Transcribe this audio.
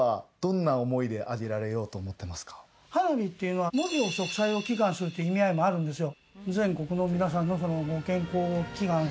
花火には、無病息災を祈願するという意味合いもあるんですよ。